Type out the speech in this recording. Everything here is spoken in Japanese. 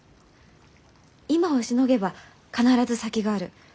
今をしのげば必ず先がある。